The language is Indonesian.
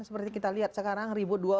seperti kita lihat sekarang